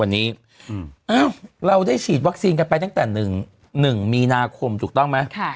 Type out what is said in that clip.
วันนี้เราได้ฉีดวัคซีนกันไปตั้งแต่๑มีนาคมถูกต้องไหม